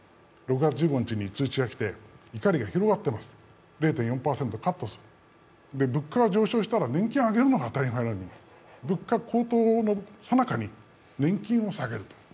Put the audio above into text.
６月１５日に通知がきて、怒りが広がっていました０．４％カットする、物価が上昇したら年金を上げるのが当たり前なのに物価高騰のさなかに年金を下げると。